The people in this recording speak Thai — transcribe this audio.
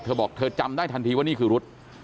เธอบอกเธอจำได้ทันทีว่านี่คือรถ